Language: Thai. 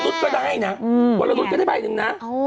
วัลละตุ๊กก็ได้นะวัลละตุ๊กก็ได้ไปหนึ่งนะ